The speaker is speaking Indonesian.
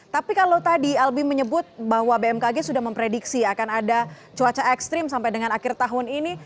tapi kalau tadi albi menyebut bahwa bmkg sudah memprediksi akan ada cuaca ekstrim sampai dengan akhir tahun ini